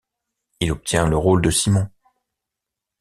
Il obtient le rôle de Simon.